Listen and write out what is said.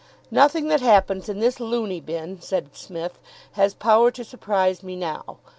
"Nothing that happens in this luny bin," said Psmith, "has power to surprise me now.